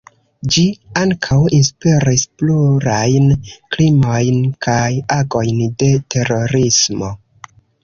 Ĝi ankaŭ inspiris plurajn krimojn kaj agojn de terorismo.